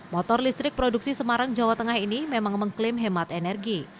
motor listrik produksi semarang jawa tengah ini memang mengklaim hemat energi